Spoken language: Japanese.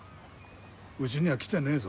うちには来てねえぞ。